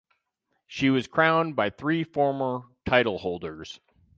She was crowned by three former titleholders.